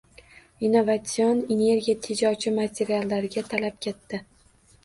Innovatsion energiya tejovchi materiallarga talab katta